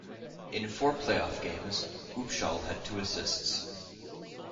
In four playoff games, Upshall had two assists.